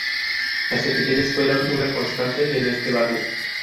Las epidemias fueron una constante en este barrio.